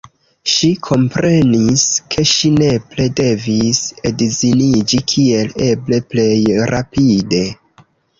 Ŝi komprenis, ke ŝi nepre devis edziniĝi kiel eble plej rapide.